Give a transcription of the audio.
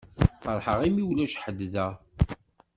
Ferḥeɣ imi ulac ḥedd da.